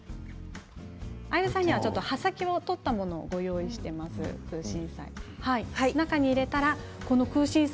相武さんには葉先を取ったものをご用意しています、空心菜。